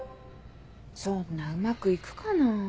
そんなうまく行くかな？